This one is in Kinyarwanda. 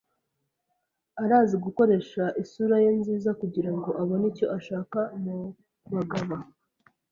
Arazi gukoresha isura ye nziza kugirango abone icyo ashaka mubagabo.